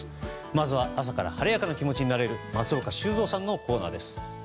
まずは朝から晴れやかな気持ちになれる松岡修造さんのコーナーです。